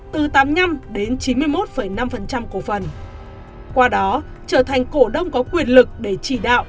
từ tám mươi năm đến chín mươi một năm cổ phần qua đó trở thành cổ đông có quyền lực để chỉ đạo